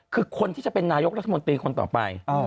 คือคนที่จะเป็นนายกรัฐมนตรีคนต่อไป